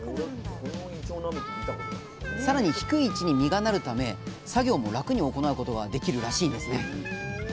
さらに低い位置に実がなるため作業も楽に行うことができるらしいんですね。